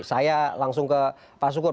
saya langsung ke pak sukur